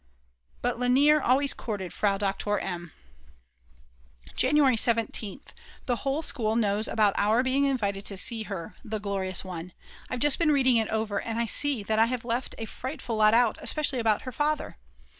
But Lainer always courted Frau Doktor M." January 17th. The whole school knows about our being invited to see her, the glorious one! I've just been reading it over, and I see that I have left a frightful lot out, especially about her father.